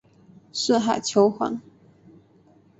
四海求凰。